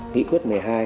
nghị quyết một mươi hai